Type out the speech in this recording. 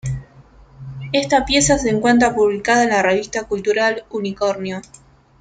Esta pieza se encuentra publicada en la revista cultural "Unicornio".